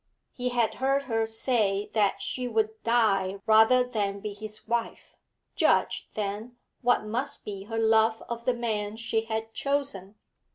He had heard her say that she would die rather than be his wife; judge, then, what must be her love of the man she bud chosen.